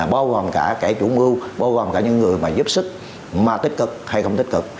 bao gồm cả cái chủ mưu bao gồm cả những người mà giúp sức mà tích cực hay không tích cực